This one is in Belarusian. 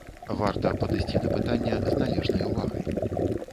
Варта падысці да пытання з належнай увагай.